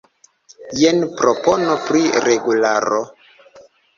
Jen propono pri regularo.